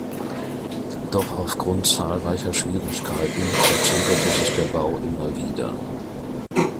Doch aufgrund zahlreicher Schwierigkeiten verzögerte sich der Bau immer wieder.